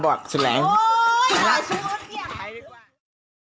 แต่ก็ไม่รู้ว่าจะมีใครอยู่ข้างหลัง